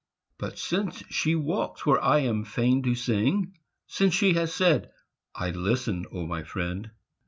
But since she walks where I am fain to sing, Since she has said, "I listen, O my friend!"